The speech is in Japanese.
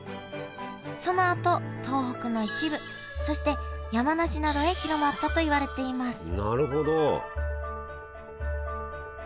そのあと東北の一部そして山梨などへ広まったといわれていますなるほど！